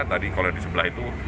tadi kalau di sebelah itu